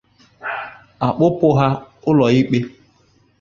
a kpụpụ ha ụlọikpe